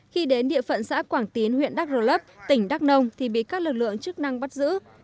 khi đến địa phận xã quảng tiến huyện đắk rơ lấp tỉnh đắk nông thì bị các lực lượng chức năng bắt giữ